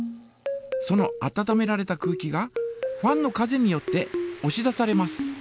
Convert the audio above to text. その温められた空気がファンの風によっておし出されます。